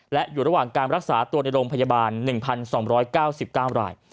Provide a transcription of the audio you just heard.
และอยู่ระหว่างการรักษาตัวในโรงพยาบาล๑๒๙๙ราย